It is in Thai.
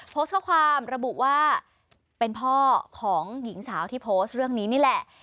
โพสต์ข้อความระบุว่าเป็นพ่อของหญิงสาวที่โพสต์เรื่องนี้นี่แหละ